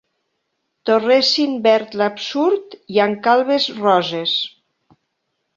Torressin verd l'Absurd, i en calbes roses.